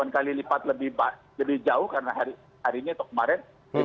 delapan kali lipat lebih jauh karena hari ini atau kemarin